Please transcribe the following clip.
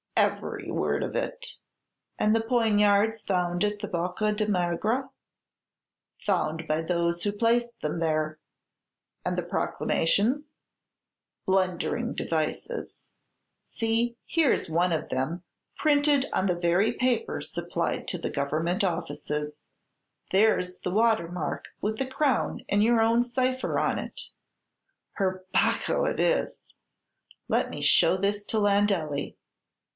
"Every word of it." "And the poniards found at the Bocca di Magra?" "Found by those who placed them there." "And the proclamations?" "Blundering devices. See, here is one of them, printed on the very paper supplied to the Government offices. There 's he water mark, with the crown and your own cipher on it." "_Per Bacco!_so it is. Let me show this to Landelli."